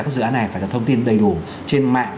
các dự án này phải là thông tin đầy đủ trên mạng